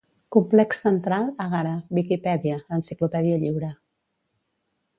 Complex Central Egara - Viquipèdia, l'enciclopèdia lliure.